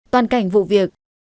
toàn cảnh vụ việc